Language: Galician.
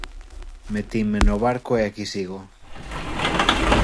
Metinme no barco e aquí sigo.